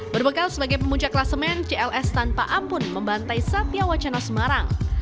berbekal sebagai pemunca klasemen cls tanpa ampun membantai satya wacana semarang